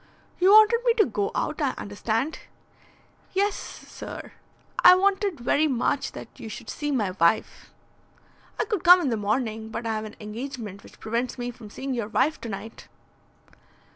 "You wanted me to go out, I understand?" "Yes, sir. I wanted very much that you should see my wife." "I could come in the morning, but I have an engagement which prevents me from seeing your wife to night."